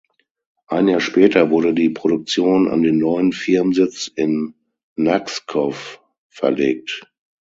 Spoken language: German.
Ein Jahr später wurde die Produktion an den neuen Firmensitz in Nakskov verlegt.